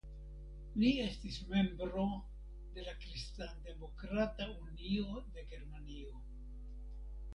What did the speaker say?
Li estis membro de la Kristandemokrata Unio de Germanio.